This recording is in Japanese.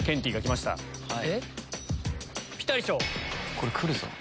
これくるぞ。